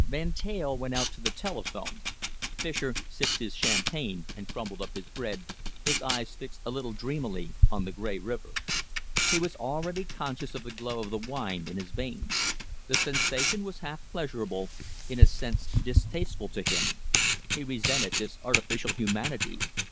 Van Teyl went out to the telephone. Fischer sipped his champagne and crumbled up his bread, his eyes fixed a little dreamily on the grey river. He was already conscious of the glow of the wine in his veins. The sensation was half pleasurable, in a sense distasteful to him. He resented this artificial humanity.